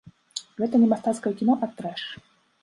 Гэта не мастацкае кіно, а трэш.